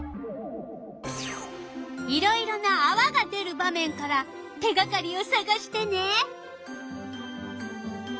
いろいろなあわが出る場面から手がかりをさがしてね。